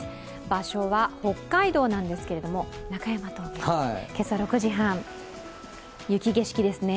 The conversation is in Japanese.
場所は北海道なんですけれども、中山峠、今朝６時半、雪景色ですね。